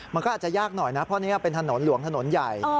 มันก็อาจจะยากหน่อยพอเป็นถนนหลวงถนนใหญ่